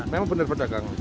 memang bener berdagang